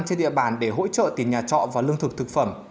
trên địa bàn để hỗ trợ tiền nhà trọ và lương thực thực phẩm